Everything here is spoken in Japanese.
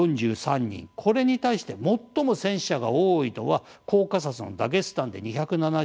これに対して最も戦死者が多いのはコーカサスのダゲスタンで２７２人。